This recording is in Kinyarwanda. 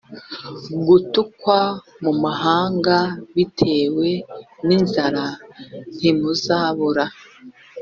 gutukwa mu mahanga bitewe n inzara ntimuzabura